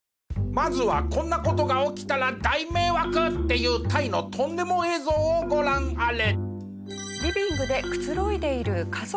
まずはこんな事が起きたら大迷惑！っていうタイのとんでも映像をご覧あれ。